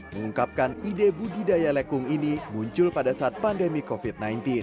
mengungkapkan ide budidaya lekung ini muncul pada saat pandemi covid sembilan belas